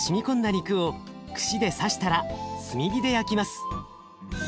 肉を串で刺したら炭火で焼きます。